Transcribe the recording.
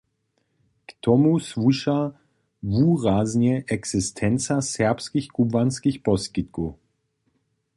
K tomu słuša wuraznje eksistenca serbskich kubłanskich poskitkow.